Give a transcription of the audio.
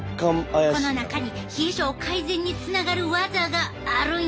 この中に冷え症改善につながるワザがあるんやで。